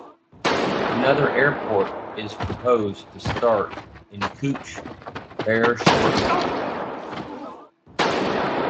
Another airport is proposed to start in Cooch Behar shortly.